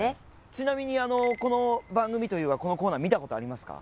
ちなみにこの番組というかこのコーナー見たことありますか？